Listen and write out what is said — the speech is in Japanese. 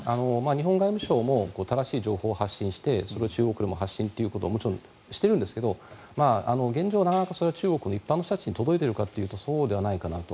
日本外務省も正しい情報発信をしてそれを中国にも発信ということはもちろんしてるんですが現状、なかなかそれが中国の一般の人たちに届いているかというとそうではないかなと。